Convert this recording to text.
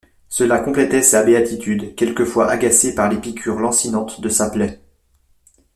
Cela complétait sa béatitude, quelquefois agacée par les piqûres lancinantes de sa plaie.